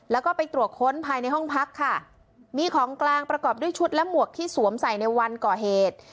แล้วก็ไปตรวจค้นภายในห้องพักค่ะมีของกลางประกอบด้วยชุดและหมวกที่สวมใส่ในวันก่อเหตุ